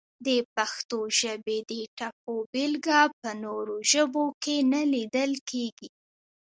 د پښتو ژبې د ټپو بېلګه په نورو ژبو کې نه لیدل کیږي!